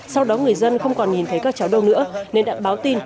sau đó người dân không còn nhìn thấy các cháu đâu nữa nên đã báo tin